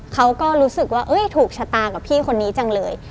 เขาก็รู้สึกว่าถูกชะตากับพี่คนนี้จังเลย